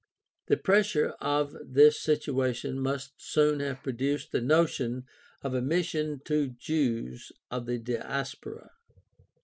The pressure of this situation must soon have produced the notion of a mission to Jews of the Diaspora.